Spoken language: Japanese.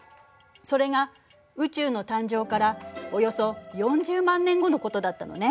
それが宇宙の誕生からおよそ４０万年後のことだったのね。